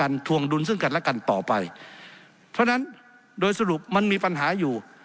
ทวงดุลซึ่งกันและกันต่อไปเพราะฉะนั้นโดยสรุปมันมีปัญหาอยู่